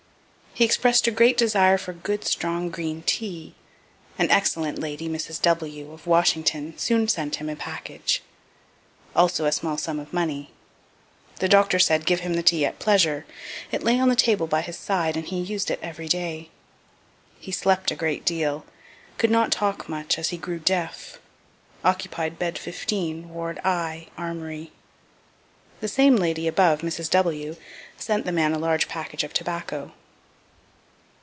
He express'd a great desire for good, strong green tea. An excellent lady, Mrs. W., of Washington, soon sent him a package; also a small sum of money. The doctor said give him the tea at pleasure; it lay on the table by his side, and he used it every day. He slept a great deal; could not talk much, as he grew deaf. Occupied bed 15, ward I, Armory. (The same lady above, Mrs. W., sent the men a large package of tobacco.)